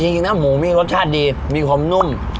จริงนะหมูมีรสชาติดีมีความนุ่ม